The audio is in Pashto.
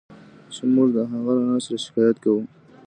چې موږ د هغه له نثره شکایت کوو.